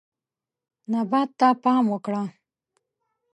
نبات ته پام وکړه.